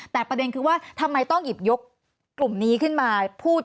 แต่ประเด็นคือว่าทำไมต้องหยิบยกกลุ่มนี้ขึ้นมาพูด